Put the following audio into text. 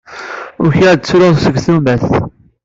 Ukiɣ-d ttruɣ seg tumert.